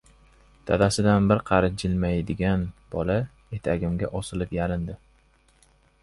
Dadasidan bir qarich jilmaydigan bola etagimga osilib yalindi: